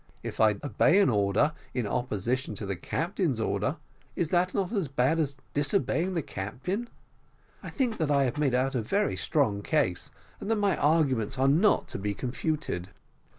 If I obey an order in opposition to the captain's order, is not that as bad as disobeying the captain? I think that I have made out a very strong case, and my arguments are not to be confuted."